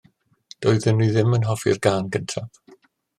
Doeddwn i ddim yn hoffi'r gân gyntaf.